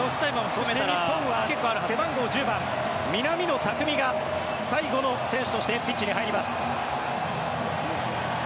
そして日本は背番号１０番南野拓実が最後の選手としてピッチに入ります。